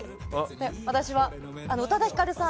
私は宇多田ヒカルさん。